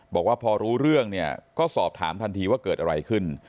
บอกว่าพอรู้เรื่องเนี่ยก็สอบถามทันทีว่าเกิดอะไรขึ้น